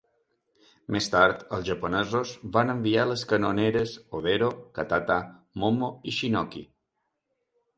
Més tard, els japonesos van enviar les canoneres "Hodero", "Katata", "Momo" i "Shinoki".